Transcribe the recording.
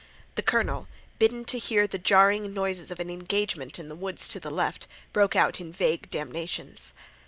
The colonel, bidden to hear the jarring noises of an engagement in the woods to the left, broke out in vague damnations.